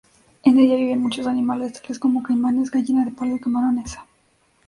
En ella viven muchos animales tales como: caimanes, gallina de palo y camarones.